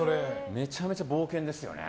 めちゃめちゃ冒険ですよね。